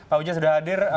pak wija sudah hadir